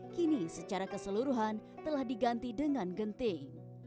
kini secara keseluruhan telah diganti dengan genting